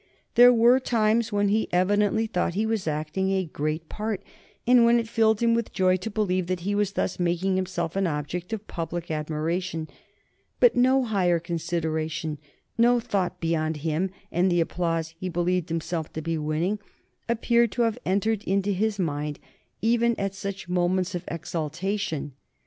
There were times when he evidently thought he was acting a great part, and when it filled him with joy to believe that he was thus making himself an object of public admiration; but no higher consideration, no thought beyond him and the applause he believed himself to be winning, appear to have entered his mind even at such moments of exaltation.